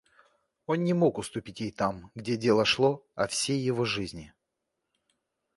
Он не мог уступить ей там, где дело шло о всей его жизни.